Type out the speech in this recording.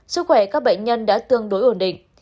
sức khỏe các bệnh nhân đã tương đối ổn định